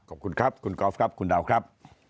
ขอบคุณครับคุณกอล์ฟครับคุณดาวครับ